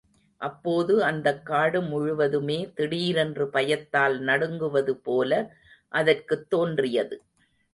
அப்போது அந்தக் காடு முழுவதுமே திடீரென்று பயத்தால் நடுங்குவது போல அதற்குத் தோன்றியது.